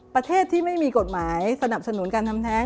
ประเทศที่ไม่มีกฎหมายสนับสนุนการทำแท้ง